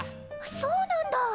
そうなんだ！